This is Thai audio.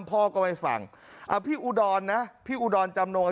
แล้วอ้างด้วยว่าผมเนี่ยทำงานอยู่โรงพยาบาลดังนะฮะกู้ชีพที่เขากำลังมาประถมพยาบาลดังนะฮะ